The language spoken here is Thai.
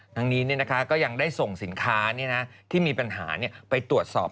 ทั้งนี้ก็ยังได้ส่งสินค้าที่มีปัญหาไปตรวจสอบ